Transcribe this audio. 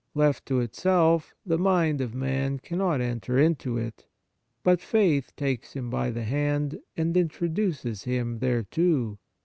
Left to itself, the mind of man cannot enter into it ; but faith takes him by the hand and introduces him thereto.